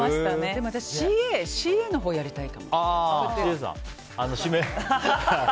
でも私ＣＡのほうやりたいかも。